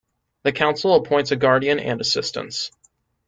The Council appoints a guardian and assistants.